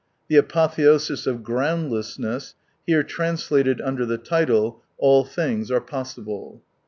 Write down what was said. The Apotheosis of Groundlessness (here trans lated under the title "All Things are Possible